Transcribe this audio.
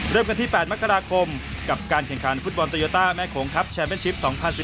เริ่มกันที่๘มกราคมกับการแข่งขันฟุตบอลโตโยต้าแม่โขงครับแชมเป็นชิป๒๐๑๙